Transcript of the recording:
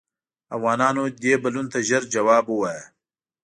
افغانانو دې بلنو ته ژر جواب ووایه.